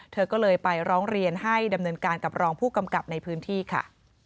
เธอก็เลยไปร้องเรียนให้ดำเนินการกับรองผู้กำกับในพื้นที่ค่ะ